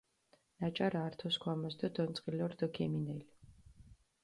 ნაჭარა ართო სქვამას დო დონწყილო რდჷ ქიმინელი.